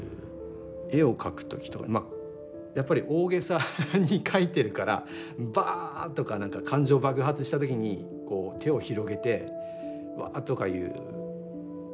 絵を描く時とかまやっぱり大げさに描いてるからバッとか何か感情爆発した時にこう手を広げて「ワ」とかいうふうにしたいわけです。